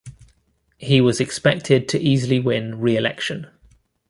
He was expected to easily win re-election.